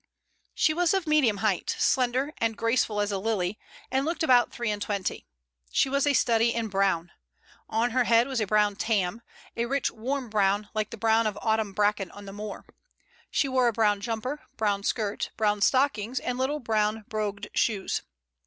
She was of medium height, slender and graceful as a lily, and looked about three and twenty. She was a study in brown. On her head was a brown tam, a rich, warm brown, like the brown of autumn bracken on the moor. She wore a brown jumper, brown skirt, brown stockings and little brown brogued shoes.